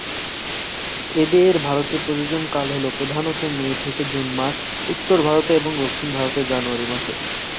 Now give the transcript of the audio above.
এদের ভারতে প্রজনন কাল হল প্রধানত মে থেকে জুন মাস উত্তর ভারতে এবং দক্ষিণ ভারতে জানুয়ারি মাসে।